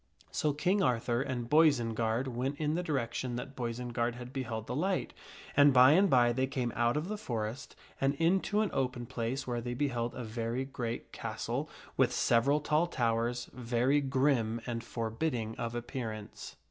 So King Arthur and Boisenard went in the direction that Boisenard lad beheld the light, and by and by they came out of the forest and into an open place where they beheld a very great castle with several tall towers, very grim and forbidding of appearance.